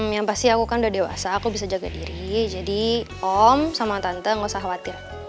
yang pasti aku kan udah dewasa aku bisa jaga diri jadi om sama tante gak usah khawatir